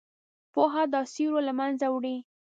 پوهه دا سیوری له منځه وړي.